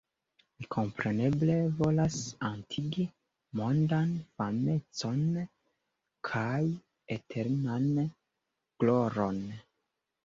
Mi kompreneble volas atingi mondan famecon kaj eternan gloron.